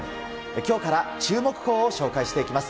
今日から注目校を紹介していきます。